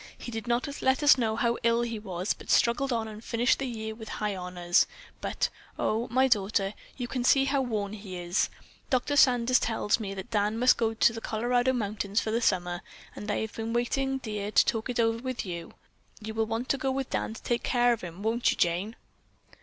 He did not let us know how ill he was, but struggled on and finished the year with high honors, but, oh, my daughter, you can see how worn he is. Dr. Sanders tells me that Dan must go to the Colorado mountains for the summer and I have been waiting, dear, to talk it over with you. You will want to go with Dan to take care of him, won't you, Jane?"